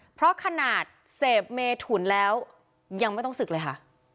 เพราะขนาดเสพเมถุนแล้วยังไม่ต้องศึกเลยค่ะ